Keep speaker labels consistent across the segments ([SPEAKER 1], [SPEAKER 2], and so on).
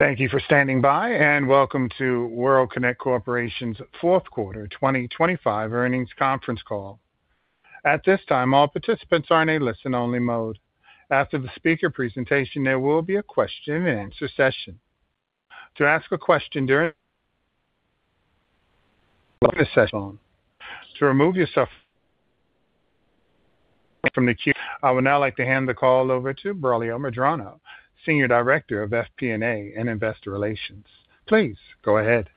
[SPEAKER 1] Thank you for standing by, and welcome to World Kinect Corporation's Q4 2025 earnings conference call. At this time, all participants are in a listen-only mode. After the speaker presentation, there will be a question-and-answer session. To ask a question during this session. To remove yourself from the queue. I would now like to hand the call over to Braulio Medrano, Senior Director of FP&A and Investor Relations. Please go ahead.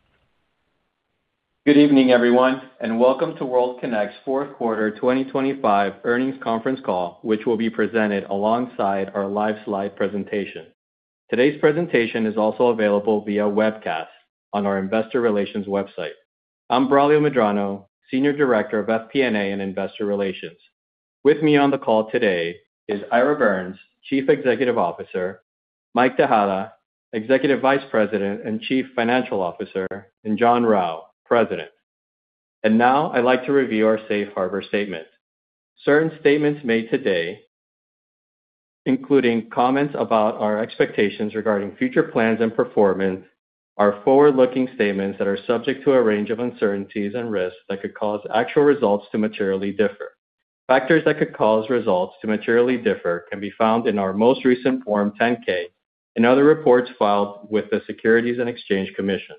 [SPEAKER 2] Good evening, everyone, and welcome to World Kinect's Q4 2025 earnings conference call, which will be presented alongside our live slide presentation. Today's presentation is also available via webcast on our investor relations website. I'm Braulio Medrano, Senior Director of FP&A and Investor Relations. With me on the call today is Ira Birns, Chief Executive Officer, Mike Tejada, Executive Vice President and Chief Financial Officer, and John Rau, President. Now I'd like to review our safe harbor statement. Certain statements made today, including comments about our expectations regarding future plans and performance, are forward-looking statements that are subject to a range of uncertainties and risks that could cause actual results to materially differ. Factors that could cause results to materially differ can be found in our most recent Form 10-K and other reports filed with the Securities and Exchange Commission.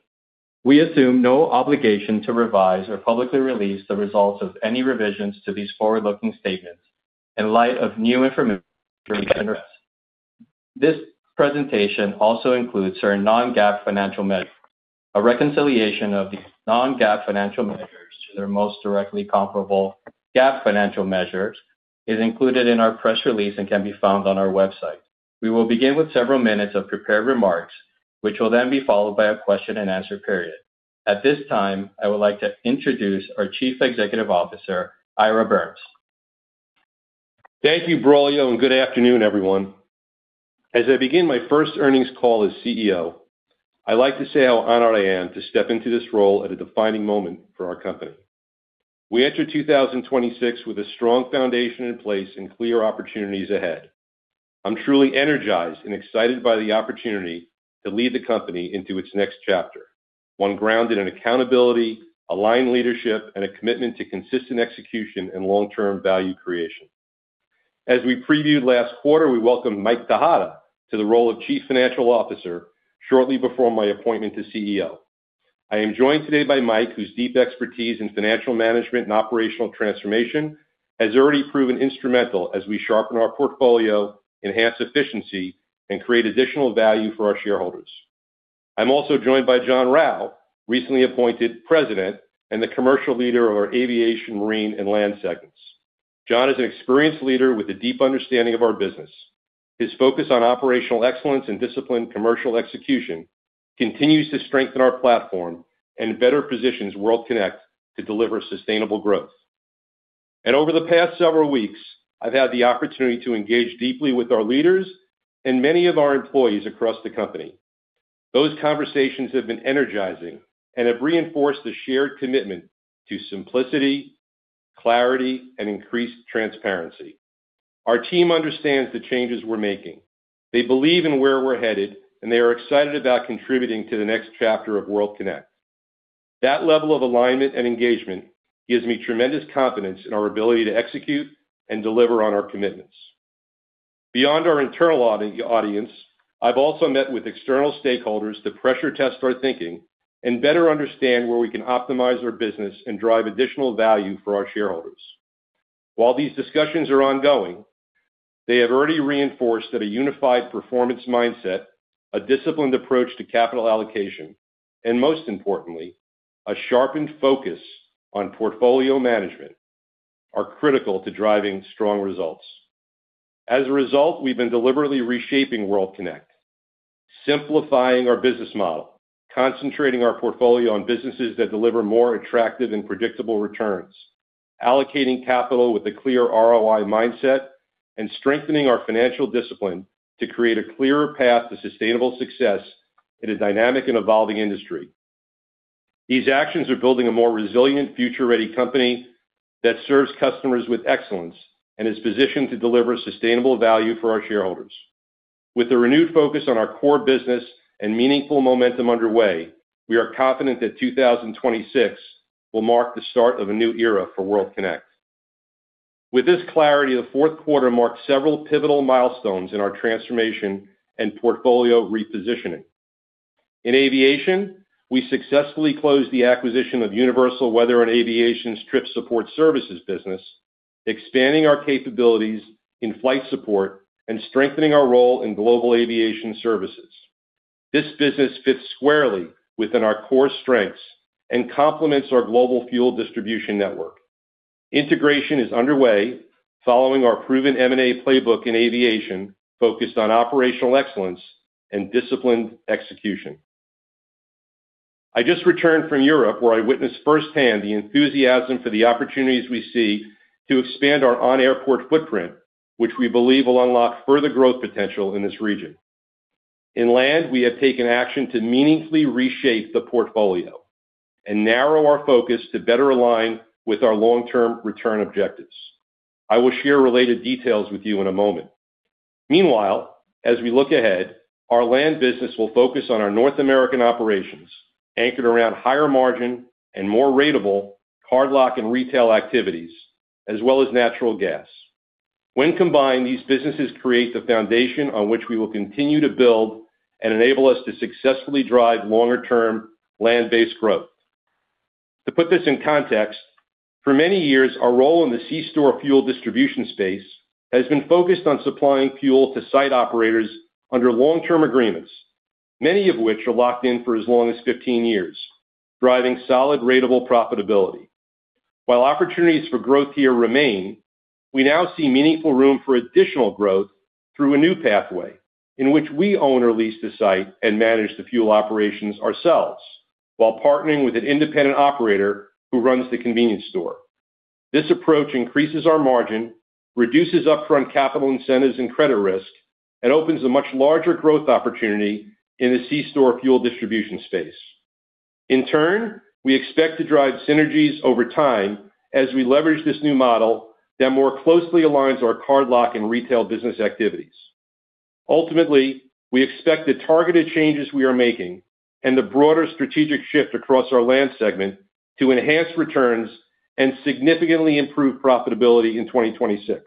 [SPEAKER 2] We assume no obligation to revise or publicly release the results of any revisions to these forward-looking statements in light of new information and risks. This presentation also includes certain non-GAAP financial measures. A reconciliation of these non-GAAP financial measures to their most directly comparable GAAP financial measures is included in our press release and can be found on our website. We will begin with several minutes of prepared remarks, which will then be followed by a question-and-answer period. At this time, I would like to introduce our Chief Executive Officer, Ira Birns.
[SPEAKER 3] Thank you, Braulio, and good afternoon, everyone. As I begin my first earnings call as CEO, I'd like to say how honored I am to step into this role at a defining moment for our company. We enter 2026 with a strong foundation in place and clear opportunities ahead. I'm truly energized and excited by the opportunity to lead the company into its next chapter, one grounded in accountability, aligned leadership, and a commitment to consistent execution and long-term value creation. As we previewed last quarter, we welcomed Mike Tejada to the role of Chief Financial Officer shortly before my appointment to CEO. I am joined today by Mike, whose deep expertise in financial management and operational transformation has already proven instrumental as we sharpen our portfolio, enhance efficiency, and create additional value for our shareholders. I'm also joined by John Rau, recently appointed President and the commercial leader of our aviation, marine, and land segments. John is an experienced leader with a deep understanding of our business. His focus on operational excellence and disciplined commercial execution continues to strengthen our platform and better positions World Kinect to deliver sustainable growth. Over the past several weeks, I've had the opportunity to engage deeply with our leaders and many of our employees across the company. Those conversations have been energizing and have reinforced the shared commitment to simplicity, clarity, and increased transparency. Our team understands the changes we're making. They believe in where we're headed, and they are excited about contributing to the next chapter of World Kinect. That level of alignment and engagement gives me tremendous confidence in our ability to execute and deliver on our commitments. Beyond our internal audience, I've also met with external stakeholders to pressure test our thinking and better understand where we can optimize our business and drive additional value for our shareholders. While these discussions are ongoing, they have already reinforced that a unified performance mindset, a disciplined approach to capital allocation, and most importantly, a sharpened focus on portfolio management are critical to driving strong results. As a result, we've been deliberately reshaping World Kinect, simplifying our business model, concentrating our portfolio on businesses that deliver more attractive and predictable returns, allocating capital with a clear ROI mindset, and strengthening our financial discipline to create a clearer path to sustainable success in a dynamic and evolving industry. These actions are building a more resilient, future-ready company that serves customers with excellence and is positioned to deliver sustainable value for our shareholders. With a renewed focus on our core business and meaningful momentum underway, we are confident that 2026 will mark the start of a new era for World Kinect. With this clarity, the Q4 marked several pivotal milestones in our transformation and portfolio repositioning. In aviation, we successfully closed the acquisition of Universal Weather and Aviation's trip support services business, expanding our capabilities in flight support and strengthening our role in global aviation services. This business fits squarely within our core strengths and complements our global fuel distribution network. Integration is underway following our proven M&A playbook in aviation, focused on operational excellence and disciplined execution. I just returned from Europe, where I witnessed firsthand the enthusiasm for the opportunities we see to expand our on-airport footprint, which we believe will unlock further growth potential in this region. In land, we have taken action to meaningfully reshape the portfolio and narrow our focus to better align with our long-term return objectives.... I will share related details with you in a moment. Meanwhile, as we look ahead, our land business will focus on our North American operations, anchored around higher margin and more ratable cardlock and retail activities, as well as natural gas. When combined, these businesses create the foundation on which we will continue to build and enable us to successfully drive longer-term land-based growth. To put this in context, for many years, our role in the C-store fuel distribution space has been focused on supplying fuel to site operators under long-term agreements, many of which are locked in for as long as 15 years, driving solid ratable profitability. While opportunities for growth here remain, we now see meaningful room for additional growth through a new pathway, in which we own or lease the site and manage the fuel operations ourselves, while partnering with an independent operator who runs the convenience store. This approach increases our margin, reduces upfront capital incentives and credit risk, and opens a much larger growth opportunity in the C-store fuel distribution space. In turn, we expect to drive synergies over time as we leverage this new model that more closely aligns our cardlock and retail business activities. Ultimately, we expect the targeted changes we are making and the broader strategic shift across our land segment to enhance returns and significantly improve profitability in 2026,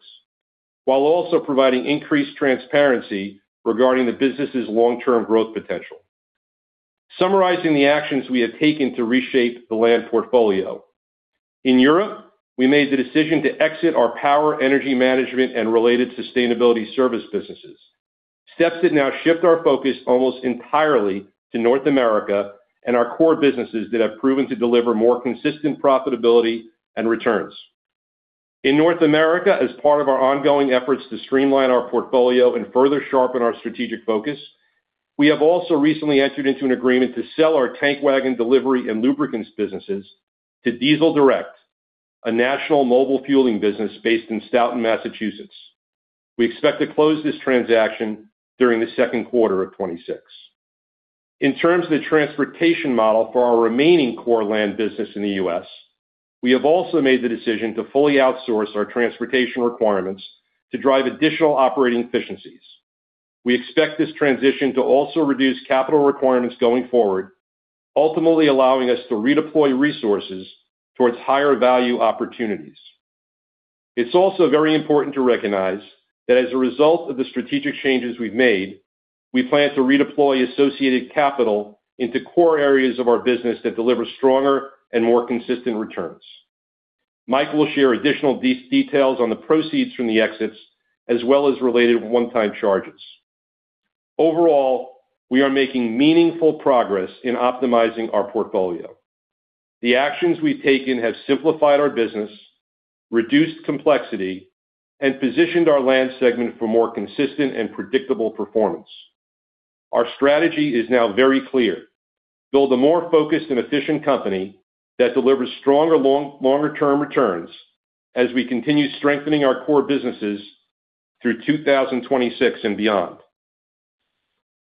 [SPEAKER 3] while also providing increased transparency regarding the business's long-term growth potential. Summarizing the actions we have taken to reshape the land portfolio. In Europe, we made the decision to exit our power, energy management, and related sustainability service businesses. Steps that now shift our focus almost entirely to North America and our core businesses that have proven to deliver more consistent profitability and returns. In North America, as part of our ongoing efforts to streamline our portfolio and further sharpen our strategic focus, we have also recently entered into an agreement to sell our tank wagon delivery and lubricants businesses to Diesel Direct, a national mobile fueling business based in Stoughton, Massachusetts. We expect to close this transaction during the Q2 of 2026. In terms of the transportation model for our remaining core land business in the U.S., we have also made the decision to fully outsource our transportation requirements to drive additional operating efficiencies. We expect this transition to also reduce capital requirements going forward, ultimately allowing us to redeploy resources towards higher-value opportunities. It's also very important to recognize that as a result of the strategic changes we've made, we plan to redeploy associated capital into core areas of our business that deliver stronger and more consistent returns. Mike will share additional details on the proceeds from the exits, as well as related one-time charges. Overall, we are making meaningful progress in optimizing our portfolio. The actions we've taken have simplified our business, reduced complexity, and positioned our land segment for more consistent and predictable performance. Our strategy is now very clear: build a more focused and efficient company that delivers stronger, longer-term returns as we continue strengthening our core businesses through 2026 and beyond.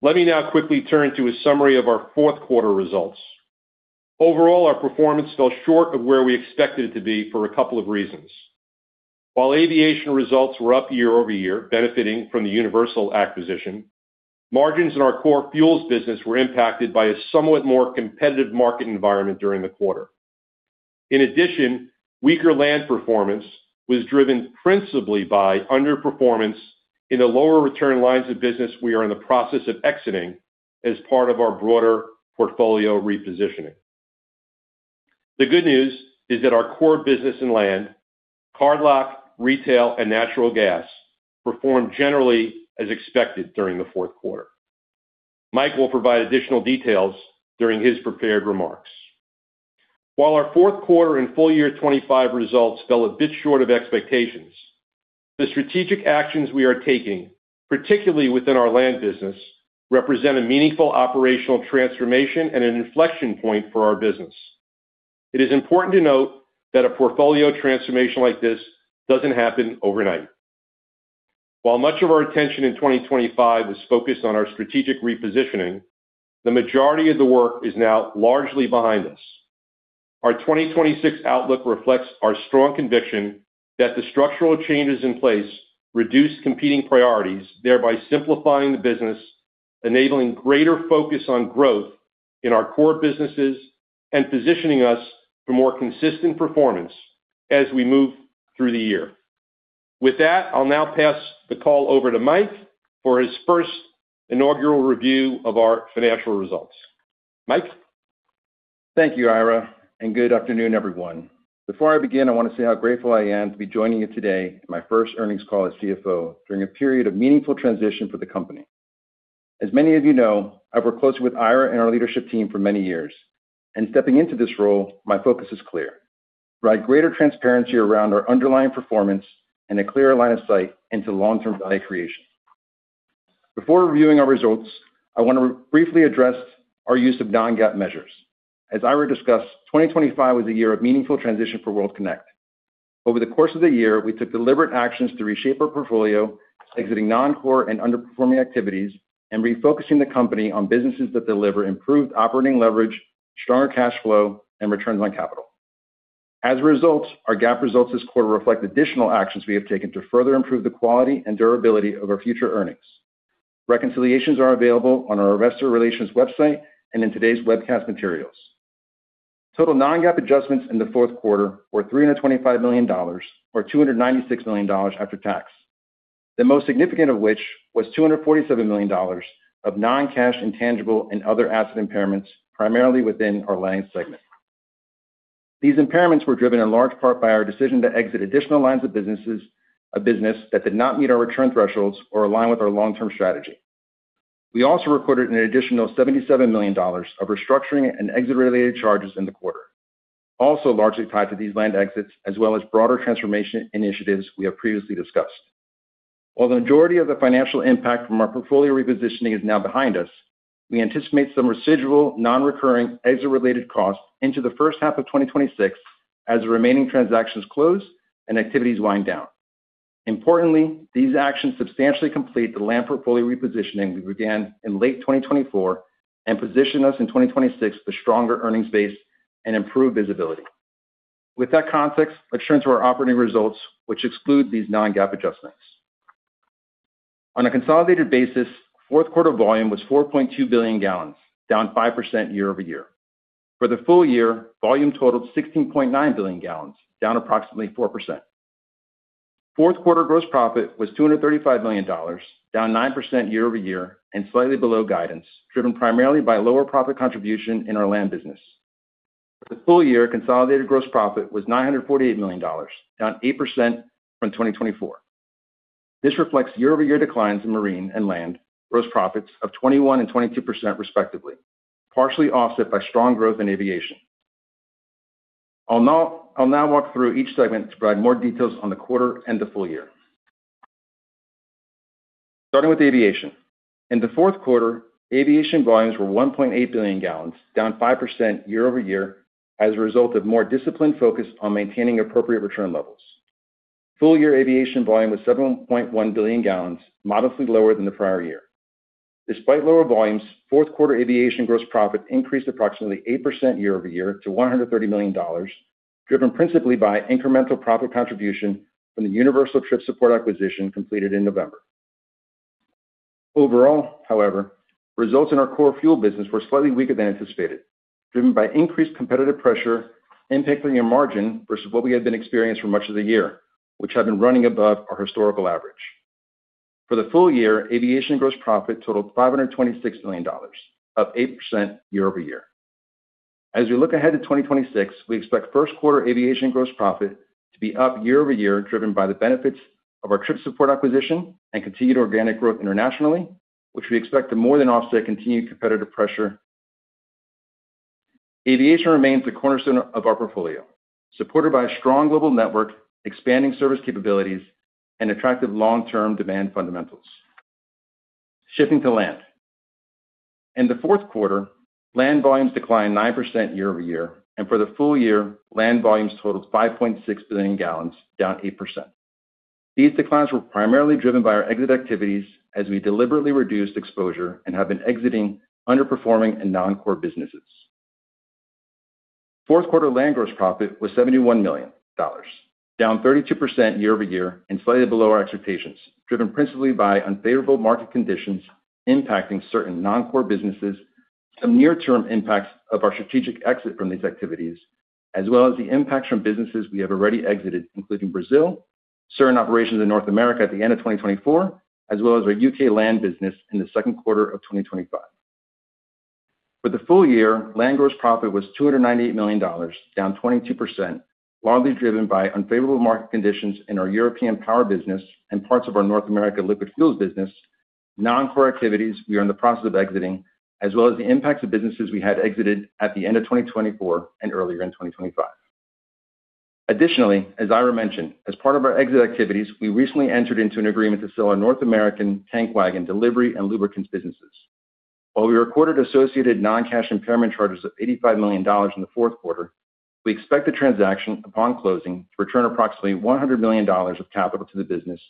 [SPEAKER 3] Let me now quickly turn to a summary of our Q4 results. Overall, our performance fell short of where we expected it to be for a couple of reasons. While aviation results were up year-over-year, benefiting from the Universal acquisition, margins in our core fuels business were impacted by a somewhat more competitive market environment during the quarter. In addition, weaker land performance was driven principally by underperformance in the lower return lines of business we are in the process of exiting as part of our broader portfolio repositioning. The good news is that our core business and land, cardlock, retail, and natural gas performed generally as expected during the Q4. Mike will provide additional details during his prepared remarks. While our Q4 and full year 2025 results fell a bit short of expectations, the strategic actions we are taking, particularly within our land business, represent a meaningful operational transformation and an inflection point for our business. It is important to note that a portfolio transformation like this doesn't happen overnight. While much of our attention in 2025 is focused on our strategic repositioning, the majority of the work is now largely behind us. Our 2026 outlook reflects our strong conviction that the structural changes in place reduce competing priorities, thereby simplifying the business, enabling greater focus on growth in our core businesses, and positioning us for more consistent performance as we move through the year. With that, I'll now pass the call over to Mike for his first inaugural review of our financial results. Mike?
[SPEAKER 4] Thank you, Ira, and good afternoon, everyone. Before I begin, I want to say how grateful I am to be joining you today in my first earnings call as CFO during a period of meaningful transition for the company. As many of you know, I've worked closely with Ira and our leadership team for many years, and stepping into this role, my focus is clear: provide greater transparency around our underlying performance and a clearer line of sight into long-term value creation. Before reviewing our results, I want to briefly address our use of non-GAAP measures. As Ira discussed, 2025 was a year of meaningful transition for World Kinect. Over the course of the year, we took deliberate actions to reshape our portfolio, exiting non-core and underperforming activities, and refocusing the company on businesses that deliver improved operating leverage, stronger cash flow, and returns on capital. As a result, our GAAP results this quarter reflect additional actions we have taken to further improve the quality and durability of our future earnings. Reconciliations are available on our Investor Relations website and in today's webcast materials. Total non-GAAP adjustments in the Q4 were $325 million, or $296 million after tax. The most significant of which was $247 million of non-cash intangible and other asset impairments, primarily within our land segment. These impairments were driven in large part by our decision to exit additional lines of businesses, a business that did not meet our return thresholds or align with our long-term strategy. We also recorded an additional $77 million of restructuring and exit-related charges in the quarter, also largely tied to these land exits, as well as broader transformation initiatives we have previously discussed. While the majority of the financial impact from our portfolio repositioning is now behind us, we anticipate some residual non-recurring exit-related costs into the first half of 2026 as the remaining transactions close and activities wind down. Importantly, these actions substantially complete the land portfolio repositioning we began in late 2024 and position us in 2026 with stronger earnings base and improved visibility. With that context, let's turn to our operating results, which exclude these non-GAAP adjustments. On a consolidated basis, Q4 volume was 4.2 billion gallons, down 5% year-over-year. For the full year, volume totaled 16.9 billion gallons, down approximately 4%. Q4 gross profit was $235 million, down 9% year-over-year and slightly below guidance, driven primarily by lower profit contribution in our land business. For the full year, consolidated gross profit was $948 million, down 8% from 2024. This reflects year-over-year declines in marine and land gross profits of 21% and 22% respectively, partially offset by strong growth in aviation. I'll now walk through each segment to provide more details on the quarter and the full year. Starting with aviation. In the Q4, aviation volumes were 1.8 billion gallons, down 5% year-over-year, as a result of more disciplined focus on maintaining appropriate return levels. Full year aviation volume was 7.1 billion gallons, modestly lower than the prior year. Despite lower volumes, Q4 aviation gross profit increased approximately 8% year-over-year to $130 million, driven principally by incremental profit contribution from the Universal Trip Support acquisition completed in November. Overall, however, results in our core fuel business were slightly weaker than anticipated, driven by increased competitive pressure impacting our margin versus what we had been experiencing for much of the year, which had been running above our historical average. For the full year, aviation gross profit totaled $526 million, up 8% year-over-year. As we look ahead to 2026, we expect Q1 aviation gross profit to be up year-over-year, driven by the benefits of our Trip Support acquisition and continued organic growth internationally, which we expect to more than offset continued competitive pressure. Aviation remains the cornerstone of our portfolio, supported by a strong global network, expanding service capabilities, and attractive long-term demand fundamentals. Shifting to land. In the Q4, land volumes declined 9% year-over-year, and for the full year, land volumes totaled 5.6 billion gallons, down 8%. These declines were primarily driven by our exit activities as we deliberately reduced exposure and have been exiting underperforming and non-core businesses. Q4 land gross profit was $71 million, down 32% year-over-year and slightly below our expectations, driven principally by unfavorable market conditions impacting certain non-core businesses, some near-term impacts of our strategic exit from these activities, as well as the impacts from businesses we have already exited, including Brazil, certain operations in North America at the end of 2024, as well as our UK land business in the Q2 of 2025. For the full year, Land gross profit was $298 million, down 22%, largely driven by unfavorable market conditions in our European power business and parts of our North America liquid fuels business, non-core activities we are in the process of exiting, as well as the impacts of businesses we had exited at the end of 2024 and earlier in 2025. Additionally, as Ira mentioned, as part of our exit activities, we recently entered into an agreement to sell our North American tank wagon, delivery, and lubricants businesses. While we recorded associated non-cash impairment charges of $85 million in the Q4, we expect the transaction, upon closing, to return approximately $100 million of capital to the business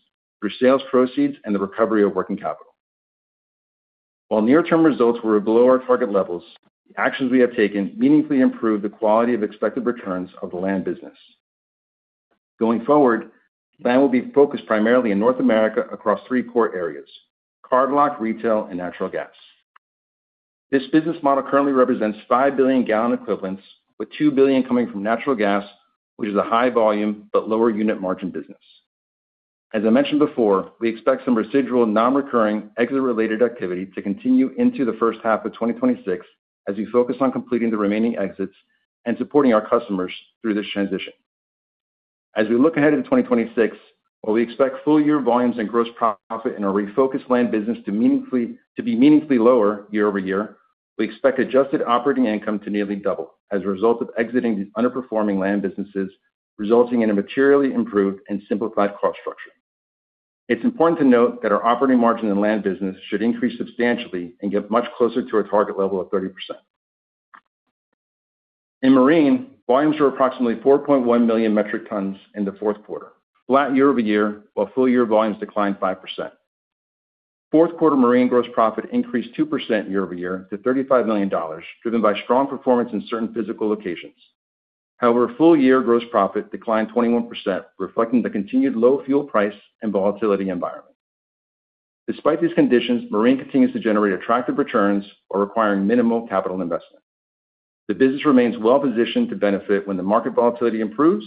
[SPEAKER 4] through sales proceeds and the recovery of working capital. While near-term results were below our target levels, the actions we have taken meaningfully improve the quality of expected returns of the land business. Going forward, land will be focused primarily in North America across three core areas: cardlock, retail, and natural gas. This business model currently represents 5 billion gallon equivalents, with 2 billion coming from natural gas, which is a high volume but lower unit margin business. As I mentioned before, we expect some residual non-recurring exit-related activity to continue into the first half of 2026 as we focus on completing the remaining exits and supporting our customers through this transition. As we look ahead into 2026, while we expect full year volumes and gross profit in our refocused land business to be meaningfully lower year-over-year, we expect adjusted operating income to nearly double as a result of exiting these underperforming land businesses, resulting in a materially improved and simplified cost structure. It's important to note that our operating margin in land business should increase substantially and get much closer to our target level of 30%. In marine, volumes were approximately 4.1 million metric tons in the Q4, flat year-over-year, while full year volumes declined 5%. Q4 Marine gross profit increased 2% year-over-year to $35 million, driven by strong performance in certain physical locations. However, full year gross profit declined 21%, reflecting the continued low fuel price and volatility environment. Despite these conditions, Marine continues to generate attractive returns while requiring minimal capital investment. The business remains well-positioned to benefit when the market volatility improves,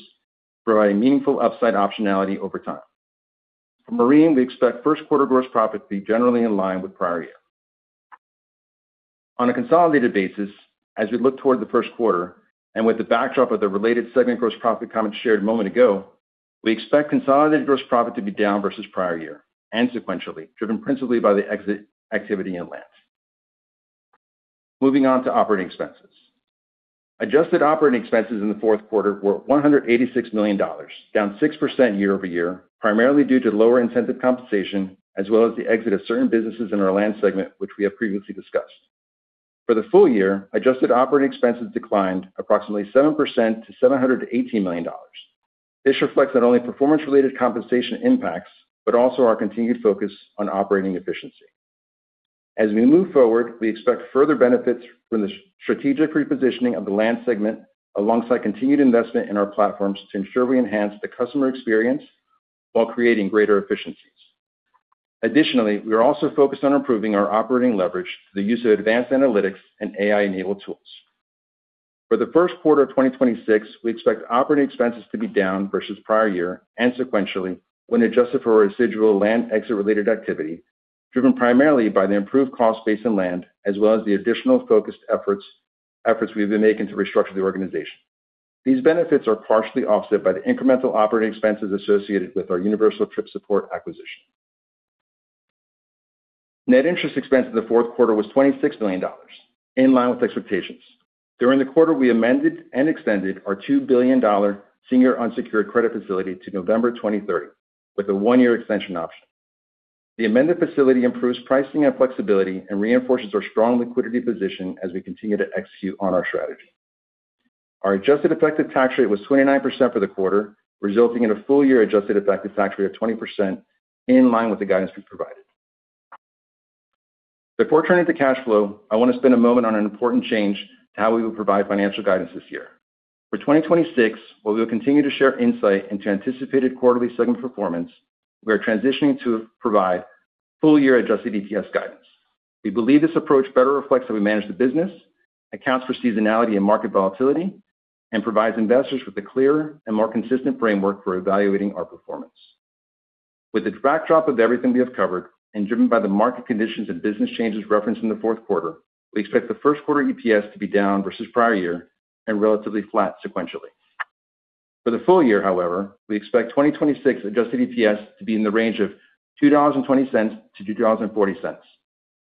[SPEAKER 4] providing meaningful upside optionality over time. For Marine, we expect Q1 gross profit to be generally in line with prior year. On a consolidated basis, as we look toward the Q1, and with the backdrop of the related segment gross profit comment shared a moment ago, we expect consolidated gross profit to be down versus prior year and sequentially, driven principally by the exit activity in Land. Moving on to operating expenses. Adjusted operating expenses in the Q4 were $186 million, down 6% year-over-year, primarily due to lower incentive compensation, as well as the exit of certain businesses in our Land segment, which we have previously discussed. For the full year, adjusted operating expenses declined approximately 7% to $718 million. This reflects not only performance-related compensation impacts, but also our continued focus on operating efficiency. As we move forward, we expect further benefits from the strategic repositioning of the Land segment, alongside continued investment in our platforms to ensure we enhance the customer experience while creating greater efficiencies. Additionally, we are also focused on improving our operating leverage through the use of advanced analytics and AI-enabled tools. For the Q1 of 2026, we expect operating expenses to be down versus prior year and sequentially, when adjusted for residual Land exit-related activity, driven primarily by the improved cost base in Land, as well as the additional focused efforts we've been making to restructure the organization. These benefits are partially offset by the incremental operating expenses associated with our Universal Trip Support acquisition. Net interest expense in the Q4 was $26 million, in line with expectations. During the quarter, we amended and extended our $2 billion senior unsecured credit facility to November 2030, with a one-year extension option. The amended facility improves pricing and flexibility and reinforces our strong liquidity position as we continue to execute on our strategy. Our adjusted effective tax rate was 29% for the quarter, resulting in a full-year adjusted effective tax rate of 20%, in line with the guidance we provided. Before turning to cash flow, I want to spend a moment on an important change to how we will provide financial guidance this year. For 2026, while we will continue to share insight into anticipated quarterly segment performance, we are transitioning to provide full-year adjusted EPS guidance. We believe this approach better reflects how we manage the business, accounts for seasonality and market volatility, and provides investors with a clearer and more consistent framework for evaluating our performance. With the backdrop of everything we have covered, and driven by the market conditions and business changes referenced in the Q4, we expect the Q1 EPS to be down versus prior year and relatively flat sequentially. For the full year, however, we expect 2026 adjusted EPS to be in the range of $2.20-$2.40,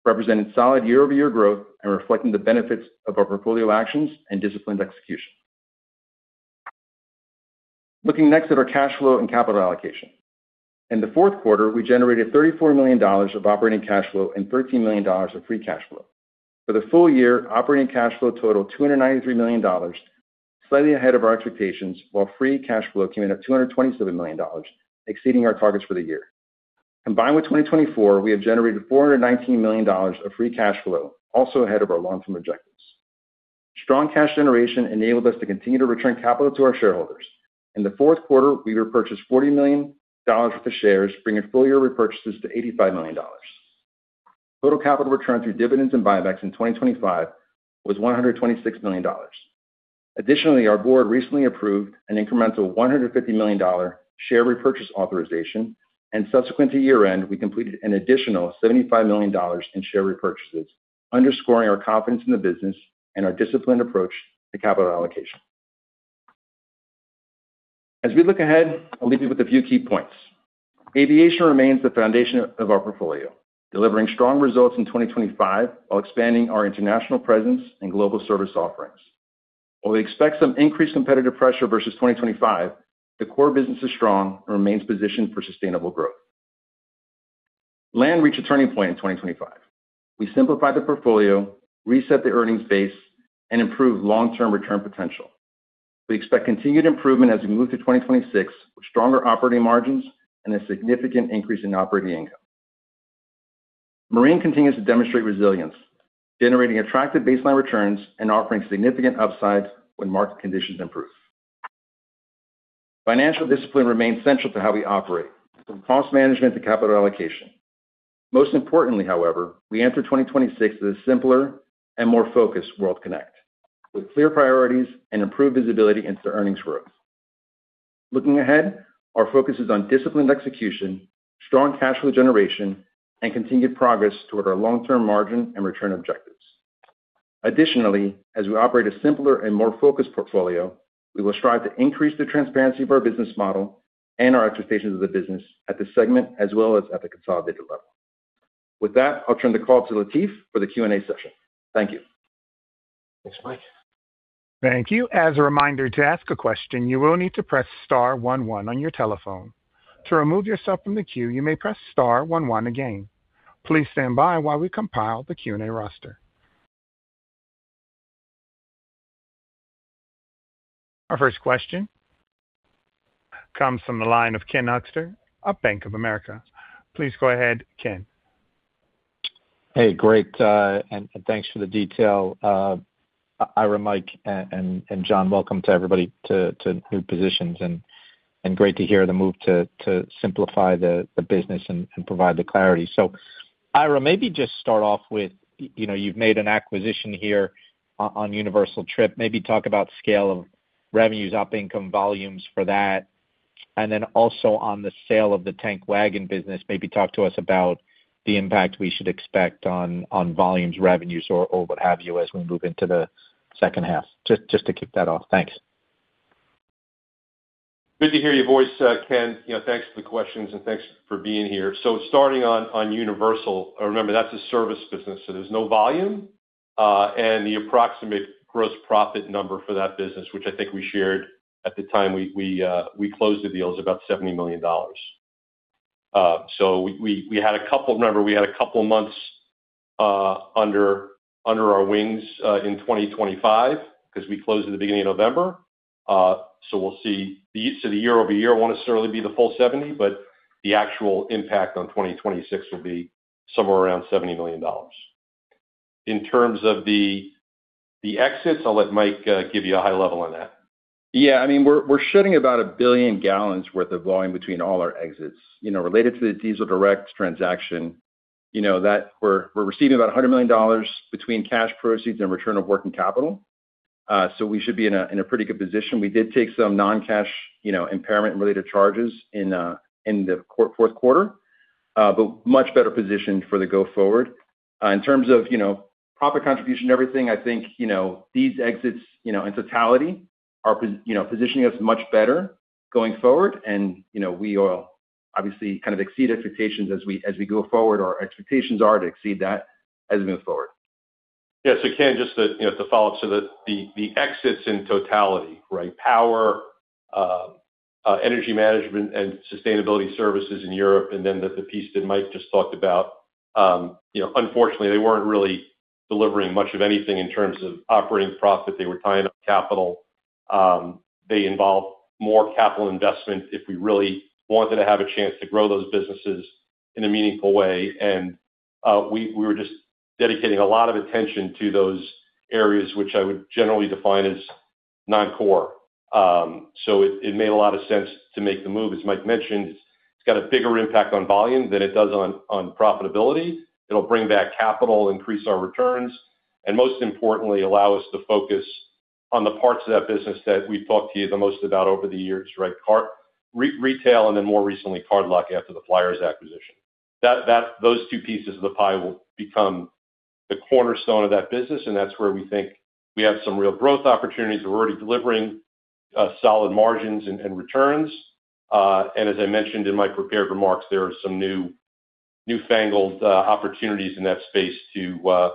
[SPEAKER 4] representing solid year-over-year growth and reflecting the benefits of our portfolio actions and disciplined execution. Looking next at our cash flow and capital allocation. In the Q4, we generated $34 million of operating cash flow and $13 million of free cash flow. For the full year, operating cash flow totaled $293 million, slightly ahead of our expectations, while free cash flow came in at $227 million, exceeding our targets for the year. Combined with 2024, we have generated $419 million of free cash flow, also ahead of our long-term objectives. Strong cash generation enabled us to continue to return capital to our shareholders. In the Q4, we repurchased $40 million worth of shares, bringing full-year repurchases to $85 million. Total capital return through dividends and buybacks in 2025 was $126 million. Additionally, our board recently approved an incremental $150 million share repurchase authorization, and subsequent to year-end, we completed an additional $75 million in share repurchases, underscoring our confidence in the business and our disciplined approach to capital allocation. As we look ahead, I'll leave you with a few key points. Aviation remains the foundation of our portfolio, delivering strong results in 2025 while expanding our international presence and global service offerings. While we expect some increased competitive pressure versus 2025, the core business is strong and remains positioned for sustainable growth. Land reached a turning point in 2025. We simplified the portfolio, reset the earnings base, and improved long-term return potential. We expect continued improvement as we move through 2026, with stronger operating margins and a significant increase in operating income. Marine continues to demonstrate resilience, generating attractive baseline returns and offering significant upsides when market conditions improve. Financial discipline remains central to how we operate, from cost management to capital allocation. Most importantly, however, we enter 2026 as a simpler and more focused World Kinect, with clear priorities and improved visibility into earnings growth. Looking ahead, our focus is on disciplined execution, strong cash flow generation, and continued progress toward our long-term margin and return objectives. Additionally, as we operate a simpler and more focused portfolio, we will strive to increase the transparency of our business model and our expectations of the business at the segment, as well as at the consolidated level. With that, I'll turn the call to Latif for the Q&A session. Thank you.
[SPEAKER 2] Thanks, Mike.
[SPEAKER 1] Thank you. As a reminder, to ask a question, you will need to press star one one on your telephone. To remove yourself from the queue, you may press star one one again. Please stand by while we compile the Q&A roster. ...Our first question comes from the line of Ken Hoexter of Bank of America. Please go ahead, Ken.
[SPEAKER 5] Hey, great, and thanks for the detail. Ira, Mike, and John, welcome to everybody to new positions and great to hear the move to simplify the business and provide the clarity. So Ira, maybe just start off with, you know, you've made an acquisition here on Universal Trip. Maybe talk about scale of revenues, op income volumes for that, and then also on the sale of the tank wagon business. Maybe talk to us about the impact we should expect on volumes, revenues or what have you, as we move into the second half. Just to kick that off. Thanks.
[SPEAKER 3] Good to hear your voice, Ken. You know, thanks for the questions, and thanks for being here. So starting on Universal, remember, that's a service business, so there's no volume. And the approximate gross profit number for that business, which I think we shared at the time we closed the deal, is about $70 million. So remember, we had a couple of months under our wings in 2025, 'cause we closed at the beginning of November. So we'll see. So the year-over-year won't necessarily be the full 70, but the actual impact on 2026 will be somewhere around $70 million. In terms of the exits, I'll let Mike give you a high level on that.
[SPEAKER 4] Yeah, I mean, we're shedding about 1 billion gallons worth of volume between all our exits. You know, related to the Diesel Direct transaction, you know, that we're receiving about $100 million between cash proceeds and return of working capital. So we should be in a pretty good position. We did take some non-cash, you know, impairment and related charges in the Q4, but much better positioned for the go forward. In terms of, you know, profit contribution and everything, I think, you know, these exits, you know, in totality, are positioning us much better going forward. And, you know, we will obviously kind of exceed expectations as we go forward. Our expectations are to exceed that as we move forward.
[SPEAKER 3] Yeah. So Ken, just to, you know, to follow up, so the exits in totality, right? Power, energy management and sustainability services in Europe, and then the piece that Mike just talked about, you know, unfortunately, they weren't really delivering much of anything in terms of operating profit. They were tying up capital. They involved more capital investment, if we really wanted to have a chance to grow those businesses in a meaningful way. And, we were just dedicating a lot of attention to those areas, which I would generally define as non-core. So it made a lot of sense to make the move. As Mike mentioned, it's got a bigger impact on volume than it does on profitability. It'll bring back capital, increase our returns, and most importantly, allow us to focus on the parts of that business that we've talked to you the most about over the years, right? Retail, and then more recently, cardlock, after the Flyers acquisition. Those two pieces of the pie will become the cornerstone of that business, and that's where we think we have some real growth opportunities. We're already delivering solid margins and returns. And as I mentioned in my prepared remarks, there are some new, newfangled opportunities in that space to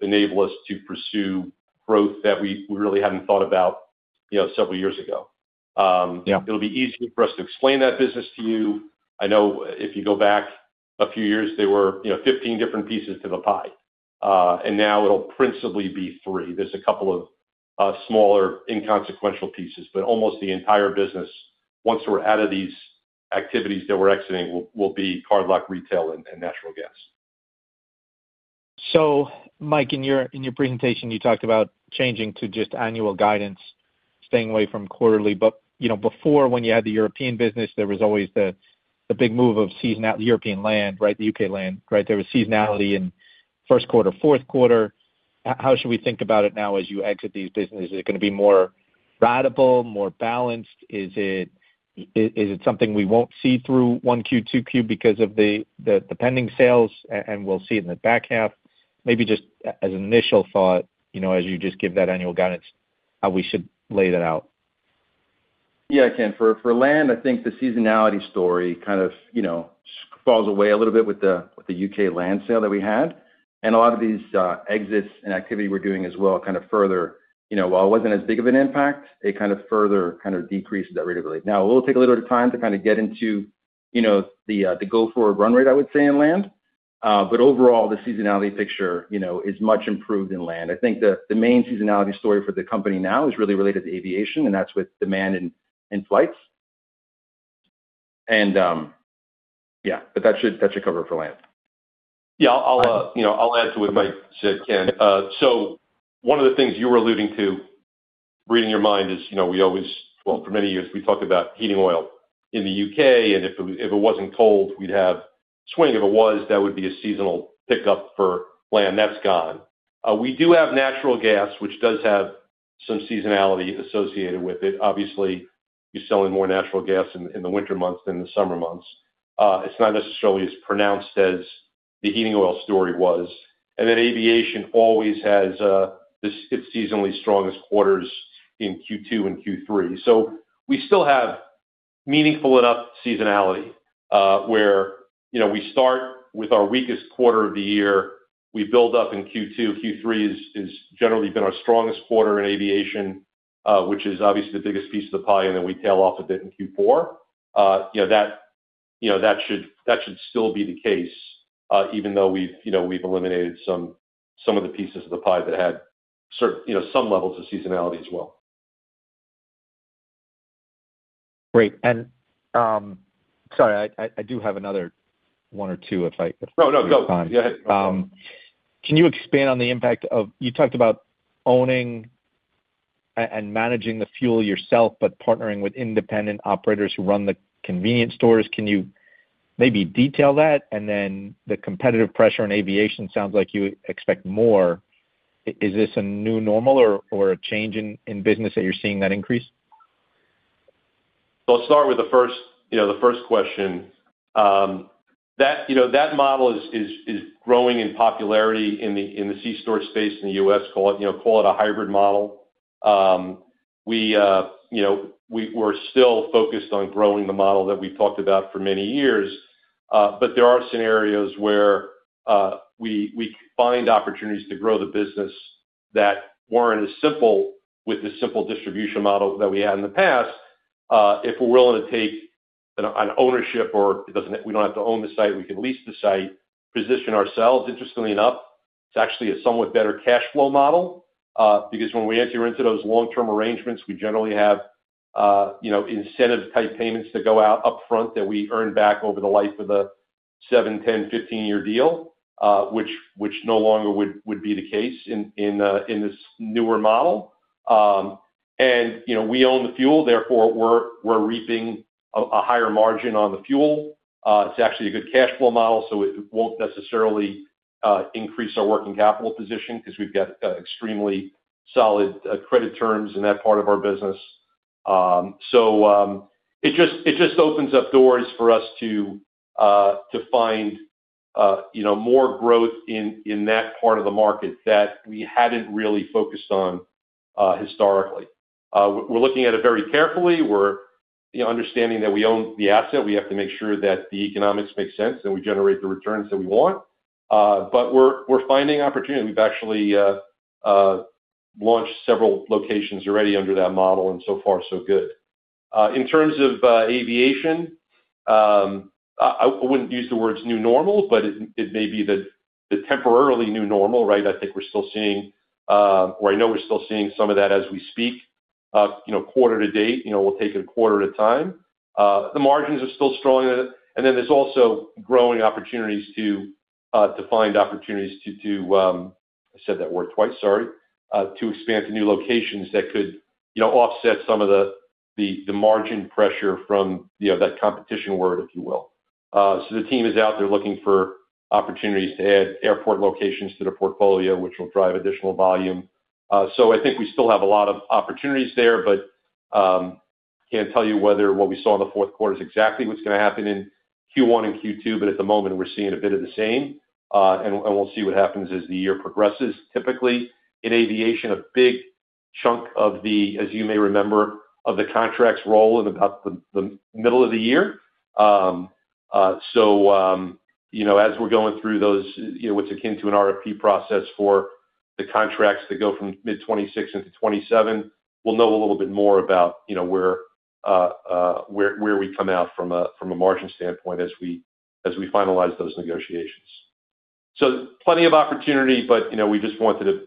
[SPEAKER 3] enable us to pursue growth that we really hadn't thought about, you know, several years ago.
[SPEAKER 5] Yeah.
[SPEAKER 3] It'll be easier for us to explain that business to you. I know if you go back a few years, there were, you know, 15 different pieces to the pie. And now it'll principally be three. There's a couple of smaller, inconsequential pieces, but almost the entire business, once we're out of these activities that we're exiting, will, will be cardlock, retail, and natural gas.
[SPEAKER 5] So Mike, in your presentation, you talked about changing to just annual guidance, staying away from quarterly. But you know, before, when you had the European business, there was always the big move of seasonality out, the European land, right? The U.K. land, right? There was seasonality in Q1, Q4. How should we think about it now, as you exit these businesses? Is it gonna be more ratable, more balanced? Is it something we won't see through one Q, two Q because of the pending sales, and we'll see it in the back half? Maybe just as an initial thought, you know, as you just give that annual guidance, how we should lay that out.
[SPEAKER 4] Yeah, Ken, for land, I think the seasonality story kind of, you know, falls away a little bit with the UK land sale that we had. And a lot of these exits and activity we're doing as well, kind of further. You know, while it wasn't as big of an impact, it kind of further kind of decreased that repeatability. Now, it will take a little bit of time to kind of get into, you know, the go-forward run rate, I would say, in land. But overall, the seasonality picture, you know, is much improved in land. I think the main seasonality story for the company now is really related to aviation, and that's with demand in flights. And yeah, but that should cover it for land.
[SPEAKER 3] Yeah. I'll, you know, I'll add to what Mike said, Ken. So one of the things you were alluding to, reading your mind is, you know, we always... Well, for many years, we talked about heating oil in the U.K., and if it wasn't cold, we'd have swing. If it was, that would be a seasonal pickup for land. That's gone. We do have natural gas, which does have some seasonality associated with it. Obviously, you're selling more natural gas in the winter months than the summer months. It's not necessarily as pronounced as the heating oil story was. And then aviation always has, this, its seasonally strongest quarters in Q2 and Q3. So we still have meaningful enough seasonality, where, you know, we start with our weakest quarter of the year. We build up in Q2. Q3 is generally been our strongest quarter in aviation, which is obviously the biggest piece of the pie, and then we tail off a bit in Q4. You know, that should still be the case, even though we've, you know, eliminated some of the pieces of the pie that had certain, you know, some levels of seasonality as well.
[SPEAKER 5] Great. And, sorry, I do have another one or two if I-
[SPEAKER 3] No, no, go. Yeah, ahead.
[SPEAKER 5] Can you expand on the impact of you talked about owning and managing the fuel yourself, but partnering with independent operators who run the convenience stores? Can you maybe detail that? And then the competitive pressure on aviation sounds like you expect more. Is this a new normal or a change in business that you're seeing that increase?
[SPEAKER 3] So I'll start with the first, you know, the first question. That, you know, that model is growing in popularity in the C-store space in the U.S., call it, you know, call it a hybrid model. You know, we're still focused on growing the model that we've talked about for many years. But there are scenarios where we find opportunities to grow the business that weren't as simple with the simple distribution model that we had in the past. If we're willing to take an ownership or we don't have to own the site, we can lease the site, position ourselves. Interestingly enough, it's actually a somewhat better cash flow model, because when we enter into those long-term arrangements, we generally have you know incentive-type payments that go out upfront that we earn back over the life of a seven, 10, 15-year deal, which no longer would be the case in this newer model. And you know, we own the fuel, therefore, we're reaping a higher margin on the fuel. It's actually a good cash flow model, so it won't necessarily increase our working capital position because we've got extremely solid credit terms in that part of our business. So it just opens up doors for us to find you know more growth in that part of the market that we hadn't really focused on historically. We're looking at it very carefully. We're, you know, understanding that we own the asset. We have to make sure that the economics make sense and we generate the returns that we want. But we're finding opportunity. We've actually launched several locations already under that model, and so far, so good. In terms of aviation, I wouldn't use the words new normal, but it may be the temporarily new normal, right? I think we're still seeing, or I know we're still seeing some of that as we speak. You know, quarter to date, you know, we'll take it a quarter at a time. The margins are still strong, and then there's also growing opportunities to find opportunities to. I said that word twice, sorry. To expand to new locations that could, you know, offset some of the margin pressure from, you know, that competition word, if you will. So the team is out there looking for opportunities to add airport locations to the portfolio, which will drive additional volume. So I think we still have a lot of opportunities there, but can't tell you whether what we saw in the Q4 is exactly what's gonna happen in Q1 and Q2, but at the moment, we're seeing a bit of the same. And we'll see what happens as the year progresses. Typically, in aviation, a big chunk of the contracts, as you may remember, roll in about the middle of the year. So, you know, as we're going through those, you know, what's akin to an RFP process for the contracts that go from mid-2026 into 2027, we'll know a little bit more about, you know, where, where we come out from a, from a margin standpoint as we, as we finalize those negotiations. So plenty of opportunity, but, you know, we just wanted to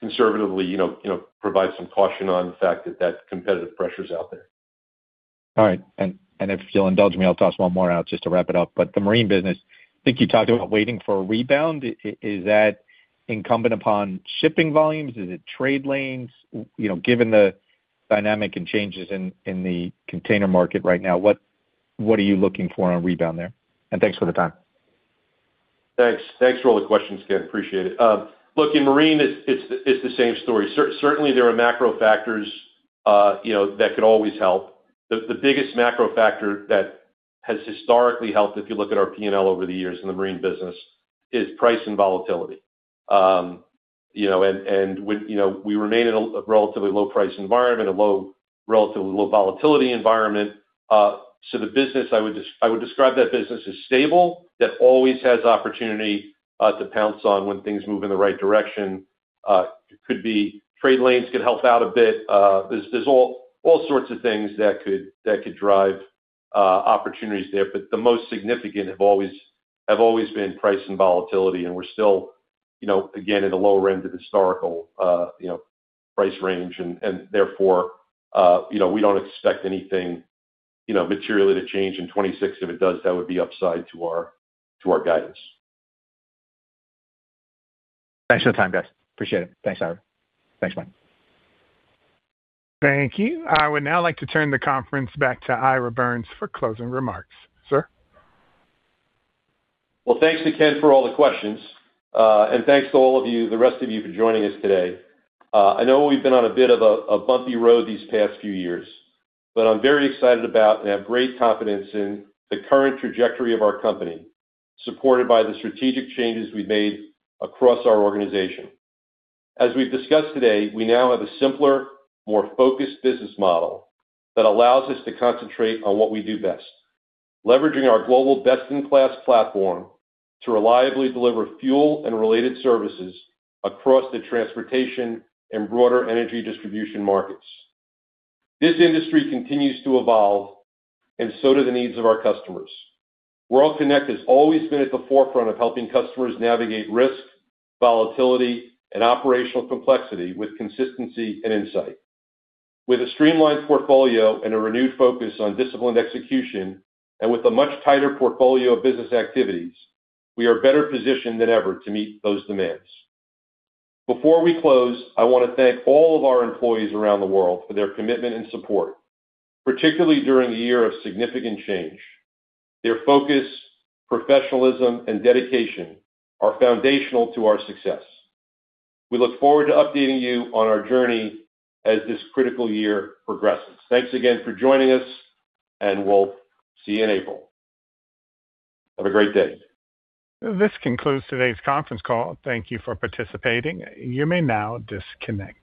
[SPEAKER 3] conservatively, you know, you know, provide some caution on the fact that that competitive pressure is out there.
[SPEAKER 5] All right. And if you'll indulge me, I'll toss one more out just to wrap it up. But the marine business, I think you talked about waiting for a rebound. Is that incumbent upon shipping volumes? Is it trade lanes? You know, given the dynamic and changes in the container market right now, what are you looking for on a rebound there? And thanks for the time.
[SPEAKER 3] Thanks. Thanks for all the questions, Ken. Appreciate it. Look, in marine, it's the same story. Certainly, there are macro factors, you know, that could always help. The biggest macro factor that has historically helped, if you look at our P&L over the years in the marine business, is price and volatility. You know, and with... You know, we remain in a relatively low price environment, a low, relatively low volatility environment. So the business, I would describe that business as stable, that always has opportunity to pounce on when things move in the right direction. Could be trade lanes could help out a bit. There's all sorts of things that could drive opportunities there, but the most significant have always been price and volatility, and we're still, you know, again, in the lower end of historical price range, and therefore, you know, we don't expect anything materially to change in 2026. If it does, that would be upside to our guidance.
[SPEAKER 5] Thanks for the time, guys. Appreciate it. Thanks, Ira. Thanks, Mike.
[SPEAKER 1] Thank you. I would now like to turn the conference back to Ira Birns for closing remarks. Sir?
[SPEAKER 3] Well, thanks to Ken for all the questions, and thanks to all of you, the rest of you for joining us today. I know we've been on a bit of a bumpy road these past few years, but I'm very excited about and have great confidence in the current trajectory of our company, supported by the strategic changes we've made across our organization. As we've discussed today, we now have a simpler, more focused business model that allows us to concentrate on what we do best: leveraging our global best-in-class platform to reliably deliver fuel and related services across the transportation and broader energy distribution markets. This industry continues to evolve, and so do the needs of our customers. World Kinect has always been at the forefront of helping customers navigate risk, volatility, and operational complexity with consistency and insight. With a streamlined portfolio and a renewed focus on disciplined execution, and with a much tighter portfolio of business activities, we are better positioned than ever to meet those demands. Before we close, I want to thank all of our employees around the world for their commitment and support, particularly during a year of significant change. Their focus, professionalism, and dedication are foundational to our success. We look forward to updating you on our journey as this critical year progresses. Thanks again for joining us, and we'll see you in April. Have a great day.
[SPEAKER 1] This concludes today's conference call. Thank you for participating. You may now disconnect.